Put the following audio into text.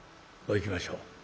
こういきましょう。